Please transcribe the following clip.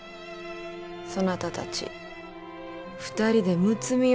そなたたち２人でむつみ合うてみよ。